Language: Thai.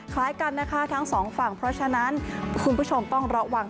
คล้ายกันนะคะทั้งสองฝั่งเพราะฉะนั้นคุณผู้ชมต้องระวัง